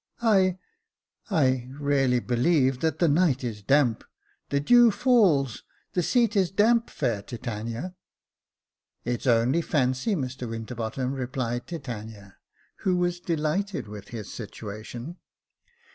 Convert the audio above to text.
"I — I — really believe that the night is damp — the dew falls — the seat is damp, fair Titania." "It's only fancy, Mr Winterbottom," replied Titania, J.F. s 274 Jacob Faithful who was delighted with his situation.